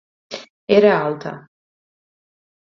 Era alta.